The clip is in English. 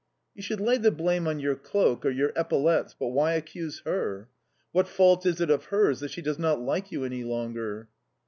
"You should lay the blame on your cloak, or your epaulettes, but why accuse her? What fault is it of hers that she does not like you any longer?"...